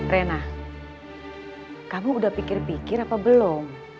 rena kamu udah pikir pikir apa belum